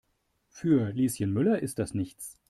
Für Lieschen Müller ist das nichts.